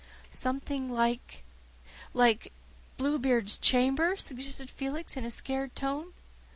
"Something like like Bluebeard's chamber?" suggested Felix in a scared tone.